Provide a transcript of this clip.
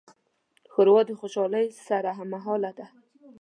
ښوروا د خوشالۍ سره هممهاله ده.